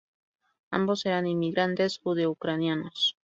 Ambos eran inmigrantes judeo-ucranianos.